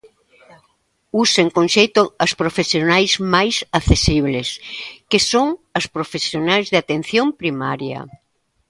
Usen con xeito as profesionais máis accesibles, que son as profesionais de atención primaria.